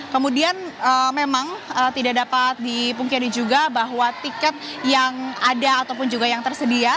kemudian memang tidak dapat dipungkiri juga bahwa tiket yang ada ataupun juga yang tersedia